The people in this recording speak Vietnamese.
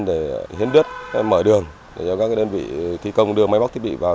để hiến đứt mở đường để cho các đơn vị thị công đưa máy bóc thiết bị vào